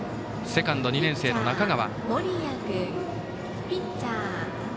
セカンド、２年生の中川。